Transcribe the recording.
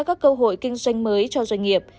các cơ hội kinh doanh mới cho doanh nghiệp